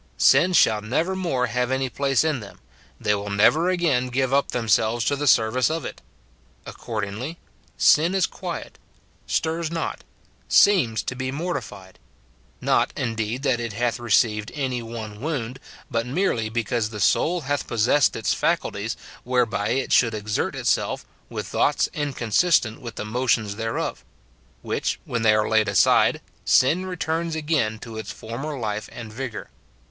Sin shall never more have any place in them ; they will never again give up themselves to the service of it. Accord ingly, sin is quiet, stirs not, seems to be mortified ; not, indeed, that it hath received any one wound, but merely because the soul hath possessed its faculties, whereby it should exert itself, with thoughts inconsistent with the motions thereof; which, when they are laid aside, sin returns again to its former life and vigour.